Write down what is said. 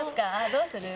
どうする？